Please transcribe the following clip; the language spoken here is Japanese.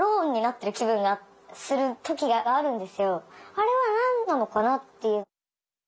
あれは何なのかなっていう。